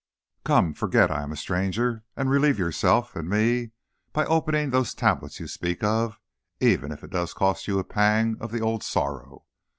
Come! forget I am a stranger, and relieve yourself and me by opening these tablets you speak of, even if it does cost you a pang of the old sorrow.